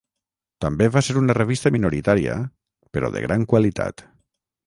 També va ser una revista minoritària, però de gran qualitat.